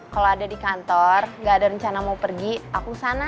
kalau ada di kantor nggak ada rencana mau pergi aku sana